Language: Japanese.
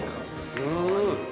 うん！